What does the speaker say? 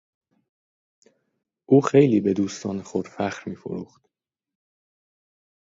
او خیلی به دوستان خود فخر میفروخت.